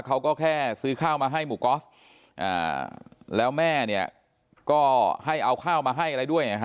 เขาก็แค่ซื้อข้าวมาให้หมู่กอล์ฟแล้วแม่เนี่ยก็ให้เอาข้าวมาให้อะไรด้วย